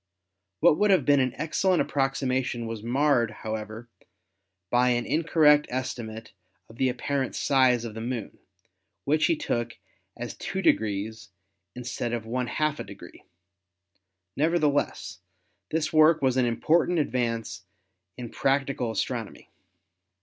What would have been an excellent approximation was marred, however, by an incorrect esti mate of the apparent size of the Moon, which he took as two degrees instead of one half a degree. Nevertheless this work was an important advance in practical as tronomy.